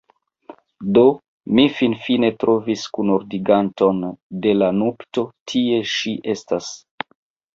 Do, mi finfine trovis kunorganizanton de la nupto tie ŝi estas